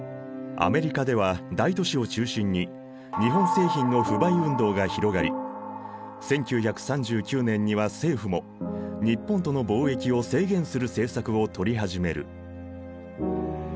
アメリカでは大都市を中心に日本製品の不買運動が広がり１９３９年には政府も日本との貿易を制限する政策を取り始める。